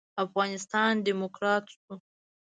افغانستان ډيموکرات شو.